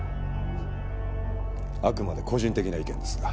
あくまで個人的な意見ですが。